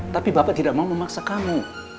tapi bapak tidak mau memaksa kamu